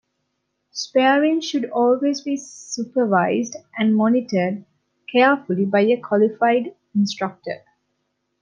Sparring should always be supervised and monitored carefully by a qualified instructor.